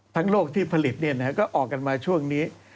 โลกที่ผลิตก็ออกกันมาช่วงนี้